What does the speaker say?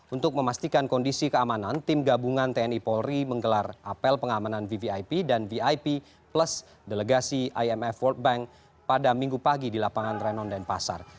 untuk memastikan kondisi keamanan tim gabungan tni polri menggelar apel pengamanan vvip dan vip plus delegasi imf world bank pada minggu pagi di lapangan renon denpasar